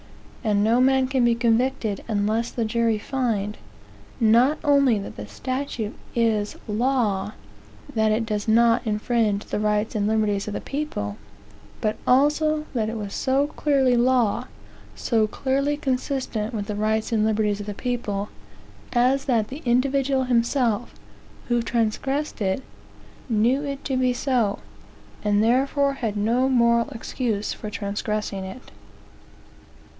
And no man can be convicted unless the jury find, not only that the statute is law, that it does not infringe the rights and liberties of the people, but also that it was so clearly law, so clearly consistent with the rights and liberties of the people, as that the individual himself, who transgressed it, knew it to be so, and therefore had no moral excuse for transgressing it.